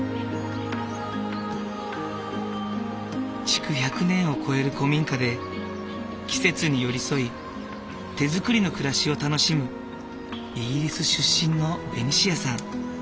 築１００年を超える古民家で季節に寄り添い手作りの暮らしを楽しむイギリス出身のベニシアさん。